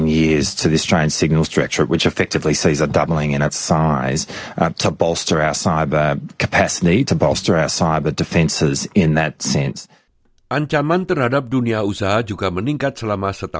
yang menyebabkan kejahatan dunia maya di negara ini